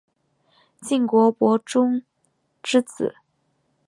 晋国伯宗之子。